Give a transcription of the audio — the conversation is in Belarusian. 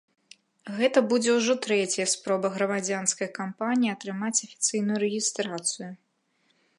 Гэта будзе ўжо трэцяя спроба грамадзянскай кампаніі атрымаць афіцыйную рэгістрацыю.